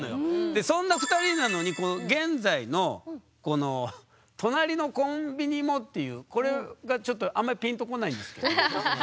でそんな２人なのにこの現在の「隣のコンビニも」っていうこれがちょっとあんまりピンと来ないんですけど。